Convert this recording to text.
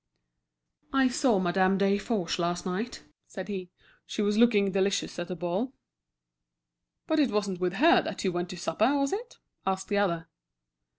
"I saw Madame Desforges last night," said he; "she was looking delicious at the ball." "But it wasn't with her that you went to supper, was it?" asked the other.